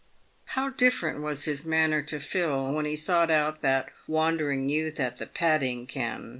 How different was his manner to Phil, when he sought out that wandering youth at the padding ken.